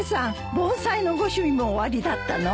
盆栽のご趣味もおありだったの？